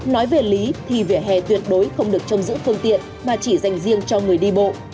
nói về lý thì vỉa hè tuyệt đối không được trông giữ phương tiện mà chỉ dành riêng cho người đi bộ